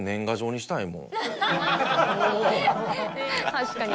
確かに。